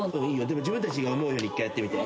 自分たちが思うように１回やってみて。